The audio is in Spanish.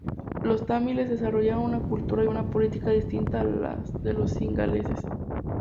Los tamiles desarrollaron una cultura y una política distintas a las de los cingaleses.